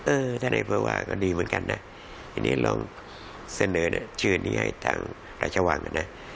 ท่านเอกเพื่อว่าก็ดีเหมือนกันนะทีนี้ลองเสนอชื่อนี้ให้ทางราชวังนะ